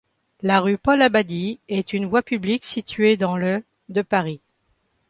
La rue Paul-Abadie est une voie publique située dans le de Paris.